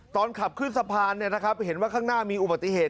ตอนขับขึ้นสะพานเห็นว่าข้างหน้ามีอุบัติเหตุ